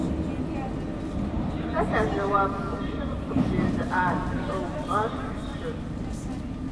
- Хэт а жэуап Ӏущыр къыбжезыӀар? - щӀэупщӀащ пщыр.